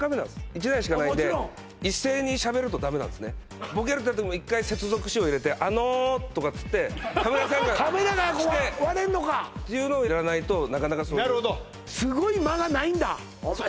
１台しかないんで一斉にしゃべるとダメなんですねボケろといわれても一回接続詞を入れてあのとかっつってカメラさんが来てっていうのをやらないとなかなかそういうなるほどすごい間がないんだお前